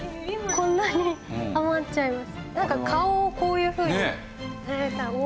こんなに余っちゃいます。